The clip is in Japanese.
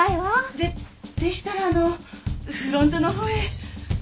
ででしたらあのフロントのほうへ。